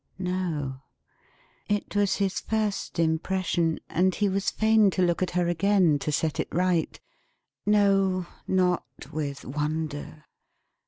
No. It was his first impression, and he was fain to look at her again, to set it right. No, not with wonder.